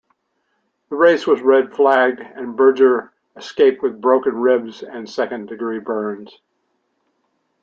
The race was red-flagged and Berger escaped with broken ribs and second-degree burns.